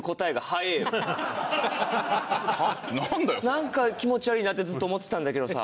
なんか気持ち悪いなってずっと思ってたんだけどさ。